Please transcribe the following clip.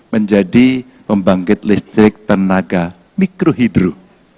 menjadi pembangkit listrik tenaga mikrohidro